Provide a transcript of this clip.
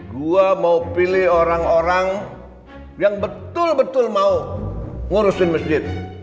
gue mau pilih orang orang yang betul betul mau ngurusin masjid